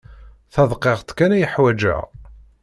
Tadqiqt kan ay ḥwajeɣ.